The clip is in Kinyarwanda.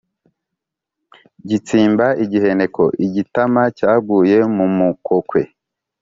Gitsimba igiheneko-Igitama cyaguye mu mukokwe.